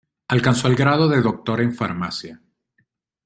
Alcanzó el grado de doctor en Farmacia.